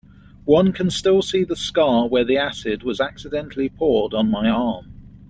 One can still see the scar where the acid was accidentally poured on my arm.